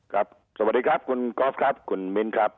สวัสดีครับคุณกอล์ฟครับคุณมิ้นครับ